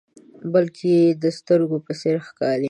بلکې د سترګو په څیر ښکاري.